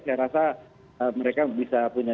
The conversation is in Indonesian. saya rasa mereka bisa punya